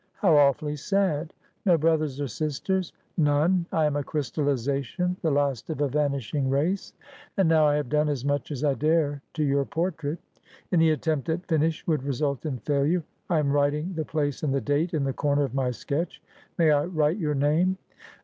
' How awfully sad ! No brothers or sisters ?'' None. I am a crystallisation, the last of a vanishing race. And now I have done as much as I dare to your portrait. Any attempt at finish would result in failure. I am writing the place and the date in the corner of my sketch. May I write your name